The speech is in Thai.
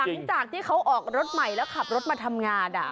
หลังจากที่เขาออกรถใหม่แล้วขับรถมาทำงาน